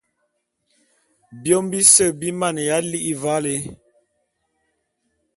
Biôm bise bi maneya li'i valé.